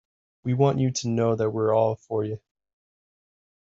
We want you to know that we're all for you.